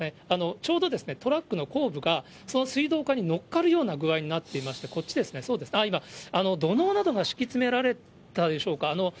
ちょうどトラックの後部がその水道管に乗っかるような具合になっていまして、こっちですね、今、土のうなどが敷き詰められたでしょうか。